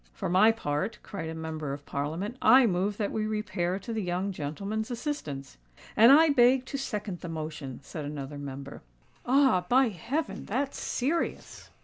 "For my part," cried a Member of Parliament, "I move that we repair to the young gentleman's assistance." "And I beg to second the motion," said another Member. "Ah! by heaven, that's serious!"